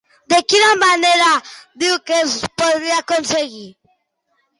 De quina manera diu que es podria aconseguir?